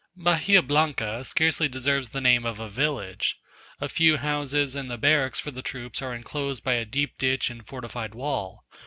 Bahia Blanca scarcely deserves the name of a village. A few houses and the barracks for the troops are enclosed by a deep ditch and fortified wall.